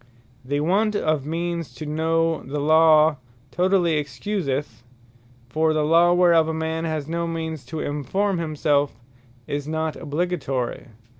The want of means to know the Law, totally Excuseth: For the Law whereof a man has no means to enforme himself, is not obligatory.